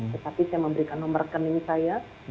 tetapi saya memberikan nomor rekening saya